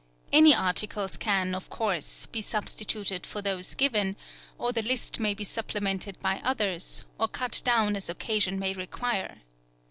Any articles can, of course, be substituted for those given, or the list may be supplemented by others, or cut down as occasion may require.